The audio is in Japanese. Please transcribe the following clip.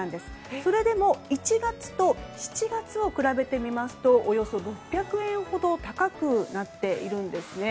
それでも１月と７月を比べてみますとおよそ６００円ほど高くなっているんですね。